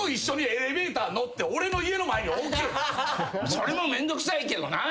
それもめんどくさいけどな。